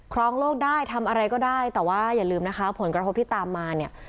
ครองโลกได้ทำอะไรก็ได้แต่ว่าอย่าลืมนะคะผลกระทบที่ตามมาเนี่ย